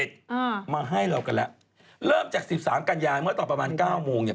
สาธารณะพญาเต่าง้อยเนี่ย